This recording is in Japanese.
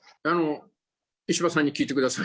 石破さんに聞いてください。